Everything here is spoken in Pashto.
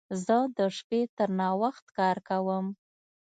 زه د شپې تر ناوخت کار کوم.